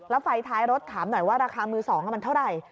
แล้วไฟท้ายรถถามหน่อยว่าราคามือสองมันเท่าไหร่